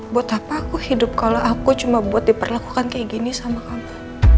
buat apa aku hidup kalau aku cuma buat diperlakukan kayak gini sama kamu